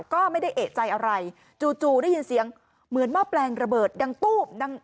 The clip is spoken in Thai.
ก็ไม่ได้เอกใจอะไรจู่ได้ยินเสียงเหมือนหม้อแปลงระเบิดดังตู้บดัง